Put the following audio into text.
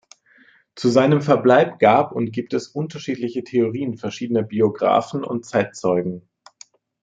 Zu seinem Verbleib gab und gibt es unterschiedliche Theorien verschiedener Biographen und Zeitzeugen.